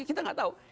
kita gak tahu